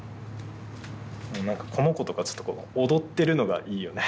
なんかこの子とかちょっとこう踊ってるのがいいよね。